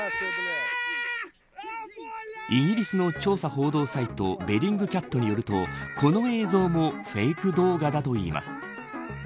イギリスの調査報道サイトベリングキャットによるとこの映像もフェイク動画だといいます。